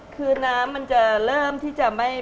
คือน้ำมันจะเริ่มที่จะไม่